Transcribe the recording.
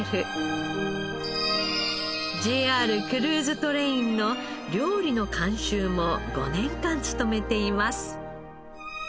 ＪＲクルーズトレインの料理の監修も５年間務めています。